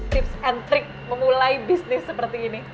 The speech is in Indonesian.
tips and trick memulai bisnis seperti ini